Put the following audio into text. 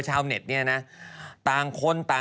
ชาวเน็ตเนี่ยนะ